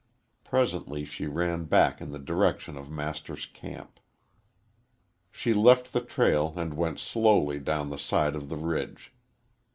Presently she ran back in the direction of Master's camp. She left the trail and went slowly down the side of the ridge.